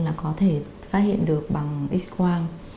là có thể phát hiện được bằng x quang